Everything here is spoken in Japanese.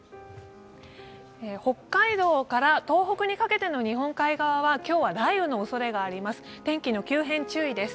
北海道から東北にかけての日本海側は今日は雷雨の恐れがあります、天気の急変に注意です。